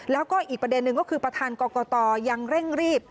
แล้วก็อีกประเด็นหนึ่งก็คือประธานกรกตยังเร่งรีบ